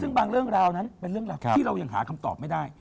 ซึ่งบางเรื่องราวนั้นเป็นเรื่องราวที่เรายังหาคำตอบไม่ได้